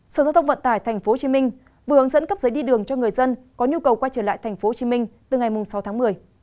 sở giao thông vận tải tp hcm vừa hướng dẫn cấp giấy đi đường cho người dân có nhu cầu quay trở lại tp hcm từ ngày sáu tháng một mươi